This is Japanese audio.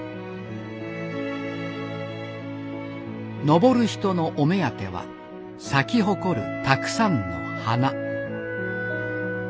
登る人のお目当ては咲き誇るたくさんの花。